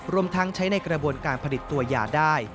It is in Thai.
รวมทั้งใช้ในกระบวนการผลิตตัวยาได้